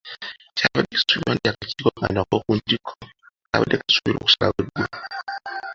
Kyabadde kisuubirwa nti akakiiko kano ak’oku ntikko kaabadde kasuubirwa okusalawo eggulo.